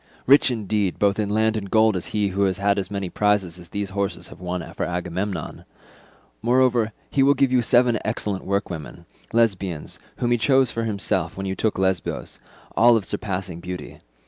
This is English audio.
Rich indeed both in land and gold is he who has as many prizes as these horses have won for Agamemnon. Moreover he will give you seven excellent workwomen, Lesbians, whom he chose for himself, when you took Lesbos—all of surpassing beauty.